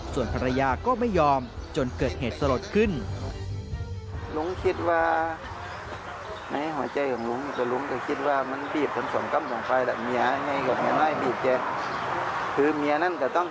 ส่วนภรรยาก็ไม่ยอมจนเกิดเหตุสลดขึ้น